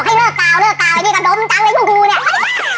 บอกให้เลือกกาวเวลานี้กระดมจังเลยพวกกูเนี่ย